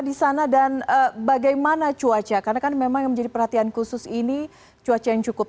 disana dan bagaimana cuaca karena kan memang menjadi perhatian khusus ini cuaca yang cukup